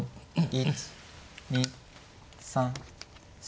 １２３４。